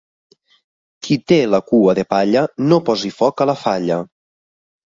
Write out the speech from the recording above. Qui té la cua de palla no posi foc a la falla.